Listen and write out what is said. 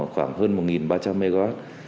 khoảng hơn một ba trăm linh mw